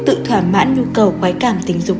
tự thoải mãn nhu cầu quái cảm tinh dục